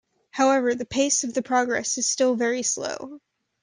However, the pace of the progress is still very slow.